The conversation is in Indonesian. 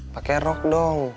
pakai rok dong